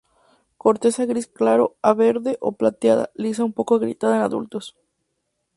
Corteza gris claro a verde o plateada, lisa a un poco agrietada en adultos.